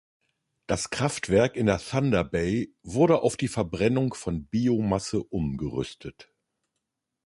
Das Kraftwerk in der Thunder Bay wurde auf die Verbrennung von Biomasse umgerüstet.